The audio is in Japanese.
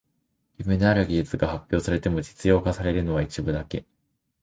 夢のある技術が発表されても実用化されるのは一部だけ